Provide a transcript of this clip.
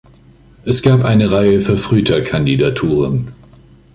Es gab eine Reihe verfrühter Kandidaturen.